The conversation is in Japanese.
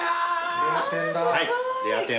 ・レア天だ。